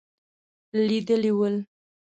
لیدلي ول.